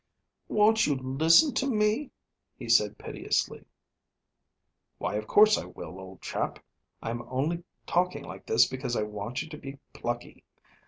"Won't you listen to me?" he said piteously. "Why, of course I will, old chap. I'm only talking like this because I want you to be plucky.